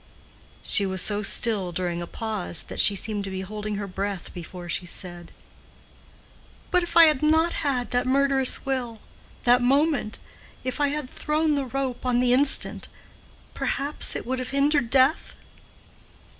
She was so still during a pause that she seemed to be holding her breath before she said, "But if I had not had that murderous will—that moment—if I had thrown the rope on the instant—perhaps it would have hindered death?"